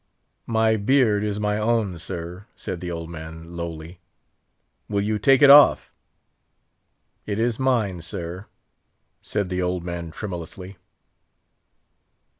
"My beard is my own, sir!" said the old man, lowly. "Will you take it off?" "It is mine, sir?" said the old man, tremulously.